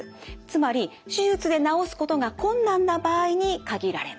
つまり手術で治すことが困難な場合に限られます。